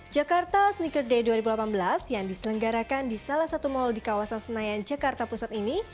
jakarta sneaker day dua ribu delapan belas yang diselenggarakan di salah satu mal di kawasan senayan jakarta pusat ini